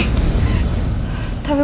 lo udah meninggal putri